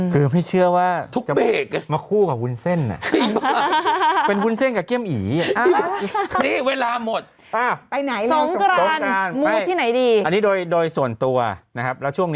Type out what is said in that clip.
คือไม่เชื่อว่าจะมาคู่กับวุ้นเส้น